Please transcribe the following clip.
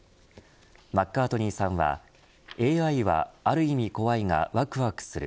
マッカートニーさんはＡＩは、ある意味怖いがわくわくする。